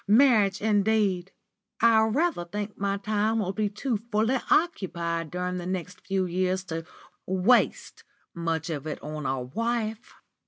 Marriage indeed! I rather think my time will be too fully occupied during the next few years to waste much of it on a wife."